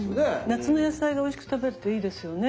夏の野菜がおいしく食べれていいですよね。